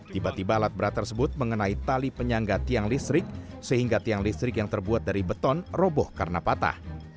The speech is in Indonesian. tiba tiba alat berat tersebut mengenai tali penyangga tiang listrik sehingga tiang listrik yang terbuat dari beton roboh karena patah